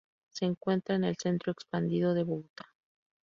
Se encuentra en el Centro Expandido de Bogotá.